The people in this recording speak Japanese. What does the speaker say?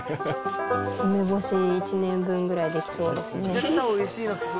梅干し１年分ぐらい出来そうですね。